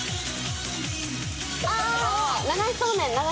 ああ！